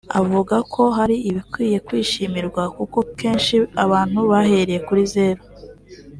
avuga ko hari ibikwiye kwishimirwa kuko kenshi abantu bahereye kuri zero